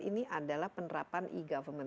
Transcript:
ini adalah penerapan e government